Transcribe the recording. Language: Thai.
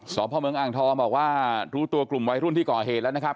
พ่อเมืองอ่างทองบอกว่ารู้ตัวกลุ่มวัยรุ่นที่ก่อเหตุแล้วนะครับ